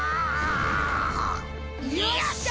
よっしゃ！